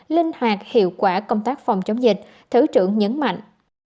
linh hoạt hiệu quả công tác phòng chống dịch thứ trưởng nhấn mạnh